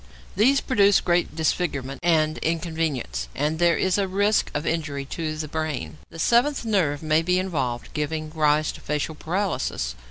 = These produce great disfigurement and inconvenience, and there is a risk of injury to the brain. The seventh nerve may be involved, giving rise to facial paralysis.